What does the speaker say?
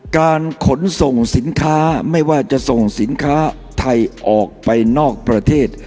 การขนส่งสินค้าไม่ว่าจะส่งสินค้าไทยออกไปนอกประเทศ